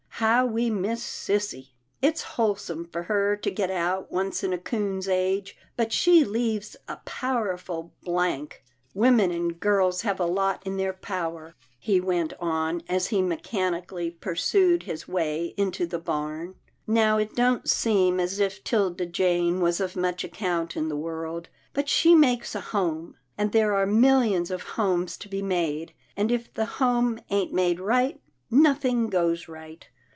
how we miss sissy. It's wholesome for her to get out once in a coon's age, but she leaves a powerful blank — Women and girls have a lot in their power," he went on, as he mechanically pursued his way into the barn. Now it don't seem as if 'Tilda Jane was of much account in the world, but she makes a home, and there are millions of homes to be made, and if the home ain't made right, nothing goes right.